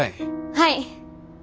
はい！